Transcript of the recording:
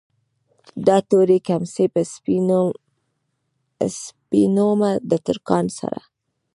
دا تورې کمڅۍ به سپينومه د ترکان سره